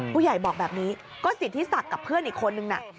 ผู้ใหญ่บอกแบบนี้ก็สิทธิศักดิ์กับเพื่อนอีกคนนึงน่ะ